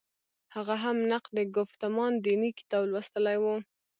هغه هم «نقد ګفتمان دیني» کتاب لوستلی و.